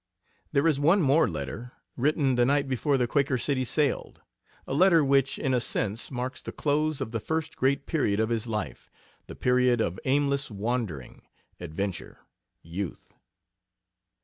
There is one more letter, written the night before the Quaker City sailed a letter which in a sense marks the close of the first great period of his life the period of aimless wandering adventure youth.